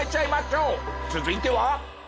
続いては。